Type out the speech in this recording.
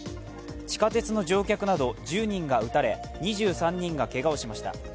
地下鉄の乗客など１０人が撃たれ２３人がけがをしました。